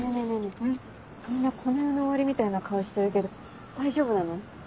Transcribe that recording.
みんなこの世の終わりみたいな顔してるけど大丈夫なの？